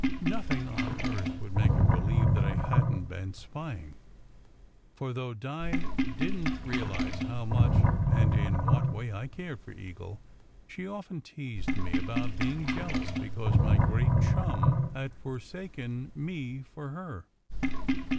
Nothing on earth would make her believe that I hadn t been "spying"; for though Di didn t realize how much and in what way I cared for Eagle, she often teased me about being jealous because my great "chum" had forsaken me for her.